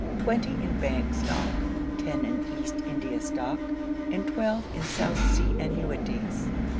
twenty in Bank stock: ten in East India stock; and twelve in South Sea annuities.